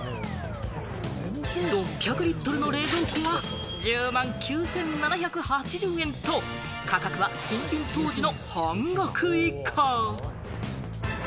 ６００リットルの冷蔵庫が１０万９７８０円と価格は新品当時の半額以下。